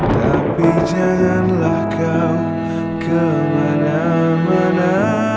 tapi janganlah kau kemana mana